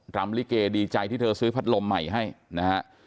รำลิเกดีใจที่เธอซื้อพัดลมใหม่ให้นะฮะ